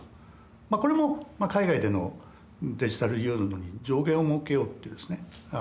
これも海外でのデジタルユーロに上限をもうけようっていうですね